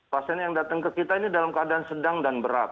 pasien yang datang ke kita ini dalam keadaan sedang dan berat